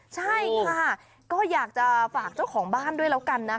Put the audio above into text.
ใช่ค่ะก็อยากจะฝากเจ้าของบ้านด้วยแล้วกันนะ